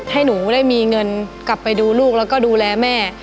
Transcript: ให้หนูได้มีเงินกลับไปดูลูกแล้วก็ดูแลแม่